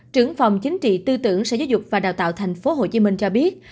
trưởng phòng chính trị tư tưởng sở giáo dục và đào tạo tp hcm cho biết